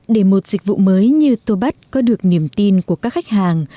để một dịch vụ mới như tô bắt có được niềm tin của các khách hàng